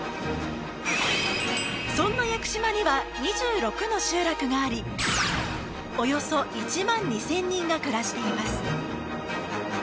そんな屋久島には２６の集落がありおよそ１万２０００人が暮らしています